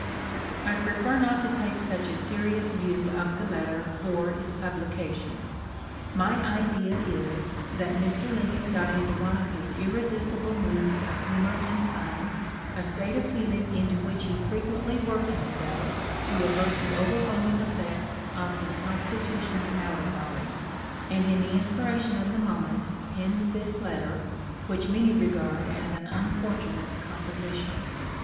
I prefer not to take such a serious view of the letter or its publication. My idea is, that Mr. Lincoln got into one of his irresistible moods of humor and fun — a state of feeling into which he *Lamon, p. 181. THE LIFE OF LINCOLN. 157 frequently worked himself to avert the overwhelm ing effects of his constitutional melancholy — and in the inspiration of the moment penned this letter, which many regard as an unfortunate composition.